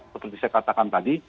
seperti saya katakan tadi